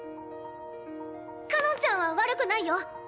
かのんちゃんは悪くないよ。